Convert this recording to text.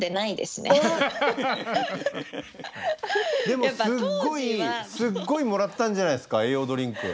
でもすっごいもらったんじゃないですか栄養ドリンク。